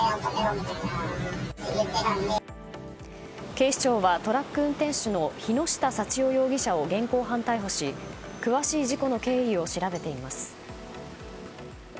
警視庁はトラック運転手の樋下さちお容疑者を現行犯逮捕し詳しい事故の経緯を調べています。